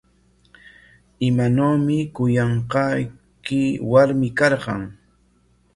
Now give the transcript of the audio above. ¿Imanawmi kuyanqayki warmi karqan?